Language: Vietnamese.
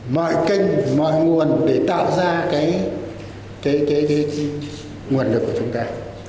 mọi kênh mọi nguồn để tạo ra cái nguồn lực của chúng ta